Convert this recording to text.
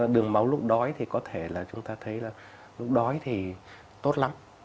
đường máu lúc đói thì có thể là chúng ta thấy là lúc đói thì tốt lắm